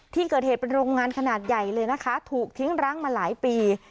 ที่เกิดเหตุเป็นโรงงานขนาดใหญ่เลยนะคะถูกทิ้งร้างมาหลายปี